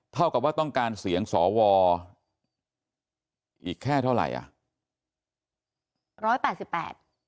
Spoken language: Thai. เท่ากับว่าต้องการเสียงสวอีกแค่เท่าไหร่อ่ะ